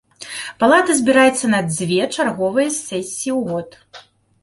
Палата збіраецца на дзве чарговыя сесіі ў год.